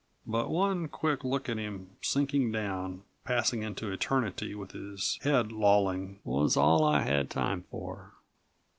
But one quick look at him sinking down, passing into eternity with his head lolling, was all I had time for.